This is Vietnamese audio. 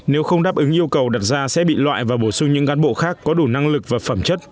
nếu không đáp ứng yêu cầu đặt ra sẽ bị loại và bổ sung những cán bộ khác có đủ năng lực và phẩm chất